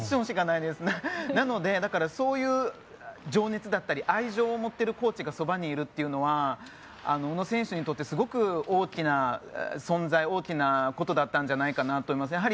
なので、そういう情熱だったり愛情を持っているコーチがそばにいるというのは宇野選手にとってすごく大きな存在大きなことだったんじゃないかなと思います。